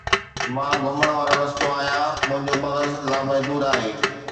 مان گھمڻ وارو رستو آھيان، منھنجو مغز لامحدود آھي